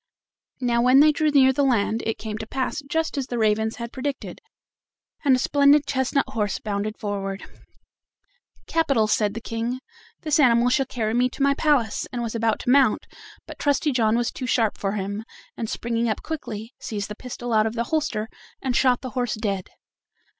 Now when they drew near the land it came to pass just as the ravens had predicted, and a splendid chestnut horse bounded forward. "Capital!" said the King; "this animal shall carry me to my palace," and was about to mount, but Trusty John was too sharp for him, and, springing up quickly, seized the pistol out of the holster and shot the horse dead.